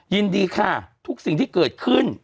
ยินดีค่ะทุกสิ่งที่เกิดขึ้น